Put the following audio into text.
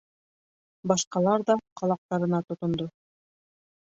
Башҡалар ҙа ҡалаҡтарына тотондо.